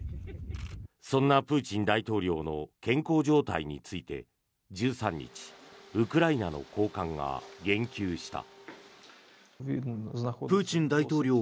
そんなプーチン大統領の健康状態について１３日、ウクライナの高官が言及した。